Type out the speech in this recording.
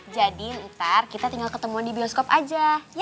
jadi ntar kita tinggal ketemu di bioskop aja